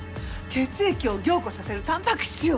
血液を凝固させるたんぱく質よ。